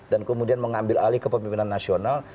dan kemudian mengambil alih ke pemimpinan nasional